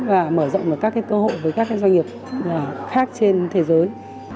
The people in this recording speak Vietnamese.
và mở rộng được các cơ hội với các doanh nghiệp khác trên thế giới